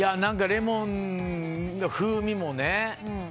レモンの風味もね